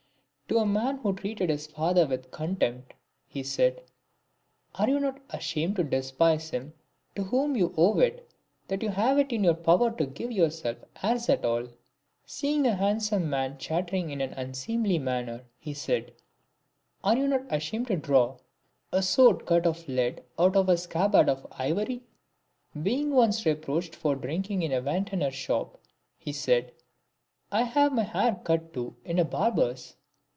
'7 To a man who treated his father with contempt, he said, "Are you not ashamed to despise him to whom you owe it that you have it in your power to give yourself airs at all ?" Seeing a handsome young man chattering in an unseemly manner, E 242 LIVES OF EMINENT PHILOSOPHERS. he said, " Are you not ashamed to draw a sword cut of lead out of a scabbard of ivory ?" Being once reproached for drinking in a vintner's shop, he said, " I have my hair cut, too, in a barber's."